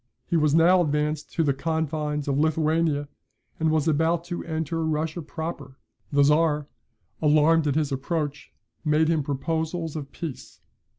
He was now advanced to the confines of Lithuania, and was about to enter Russia Proper: the Czar, alarmed at his approach, made him proposals of peace.